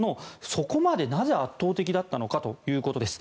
そこまで、なぜ圧倒的だったのかということです。